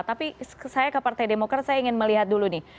tapi saya ke partai demokrat saya ingin melihat dulu nih